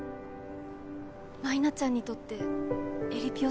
舞菜ちゃんにとってえりぴよ